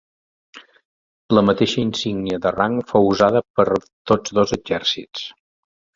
La mateixa insígnia de rang fou usada per tots dos exèrcits.